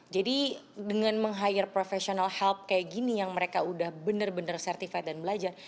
jadi dengan meng hire professional help kayak gini yang mereka udah bener bener certified dan belajar